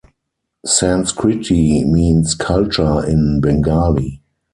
Sanskriti means "culture" in Bengali.